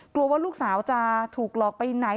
กลัวว่าลูกสาวจะถูกหลอกไปไหน